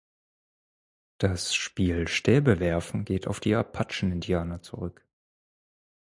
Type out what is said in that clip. Das Spiel "Stäbe werfen" geht auf die Apachen-Indianer zurück.